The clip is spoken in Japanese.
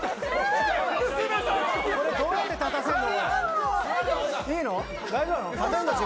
これ、どうやって立たせるの？